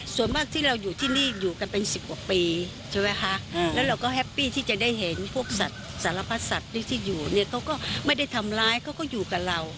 ส่วนมากที่เราอยู่ที่นี่อยู่กันเป็น๑๐กว่าปีใช่ไหมคะแล้วเราก็แฮปปี้ที่จะได้เห็นพวกสัตว์สารพัดสัตว์ที่อยู่เนี่ยเขาก็ไม่ได้ทำร้ายเขาก็อยู่กับเรา